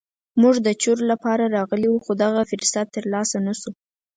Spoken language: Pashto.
موږ د چور لپاره راغلي وو خو دغه فرصت تر لاسه نه شو.